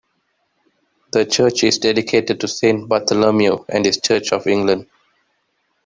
The Church is dedicated to Saint Bartholomew and is Church of England.